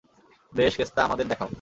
বেশ, কেসটা আমাদের দেখাও।